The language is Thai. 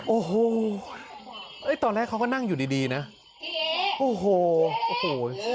โอ้โหเอ้ยตอนแรกเขาก็นั่งอยู่ดีดีนะโอ้โหโอ้โห